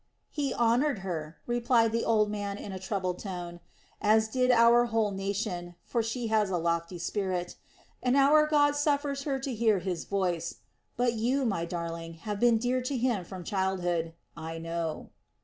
"He honored her," replied the old man in a troubled tone, "as did our whole nation; for she has a lofty spirit, and our God suffers her to hear His voice; but you, my darling, have been dear to him from childhood, I know."